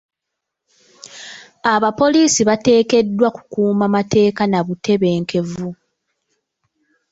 Abapoliisi bateekeddwa kukuuma mateeka n'obutebenkevu.